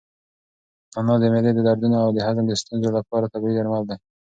نعناع د معدې د دردونو او د هضم د ستونزو لپاره طبیعي درمل دي.